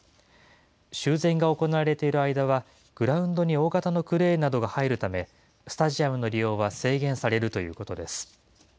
修繕が行われている間はグラウンドに大型のクレーンなどが入るため、スタジアムの利用は制限されるということです。